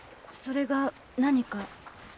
それが何か？